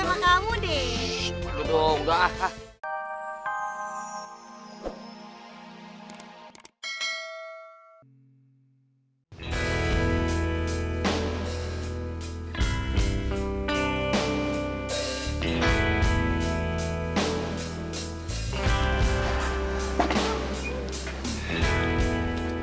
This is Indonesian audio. shhh gue bongga ah